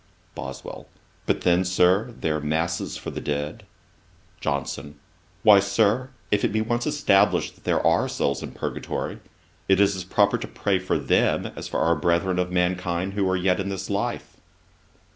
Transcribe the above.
BOSWELL. 'But then, Sir, their masses for the dead?' JOHNSON. 'Why, Sir, if it be once established that there are souls in purgatory, it is as proper to pray for them, as for our brethren of mankind who are yet in this life.'